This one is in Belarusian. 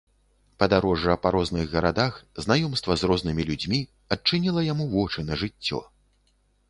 Падарожжа па розных гарадах, знаёмства з рознымі людзьмі адчыніла яму вочы на жыццё.